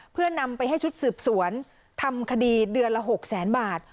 เพื่อนำไปให้ชุดสืบสวนทำคดีเดือนละ๖แสนบาท